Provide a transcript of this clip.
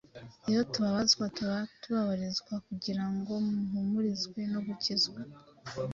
Iyo tubabazwa tuba tubabarizwa kugira ngo muhumurizwe no gukizwa,